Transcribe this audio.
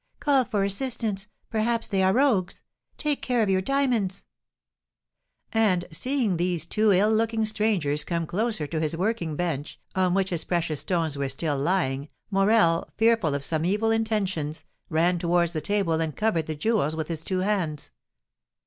"Call for assistance; perhaps they are rogues. Take care of your diamonds!" And, seeing these two ill looking strangers come closer to his working bench, on which his precious stones were still lying, Morel, fearful of some evil intentions, ran towards the table, and covered the jewels with his two hands.